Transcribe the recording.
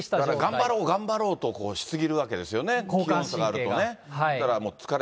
頑張ろう頑張ろうとし過ぎるわけですよね、とかがあるとね。